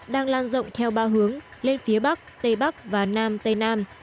đang lan rộng theo ba hướng lên phía bắc tây bắc và nam tây nam